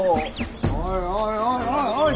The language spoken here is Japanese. おいおいおいおい！